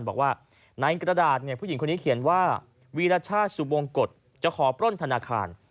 บอกว่าในกระดาษผู้หญิงคนนี้เขียนว่าวีรชาติสุบงกฎจะขอปล้นธนาคาร